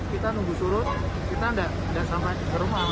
kita nunggu surut kita tidak sampai ke rumah